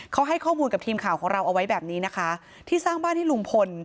เขาให้ข้อมูลกับทีมข่าวของเราเอาไว้แบบนี้นะคะที่สร้างบ้านให้ลุงพล